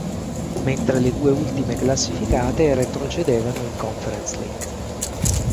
Mentre le ultime due classificate retrocedevano in Conference League.